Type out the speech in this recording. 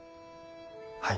はい。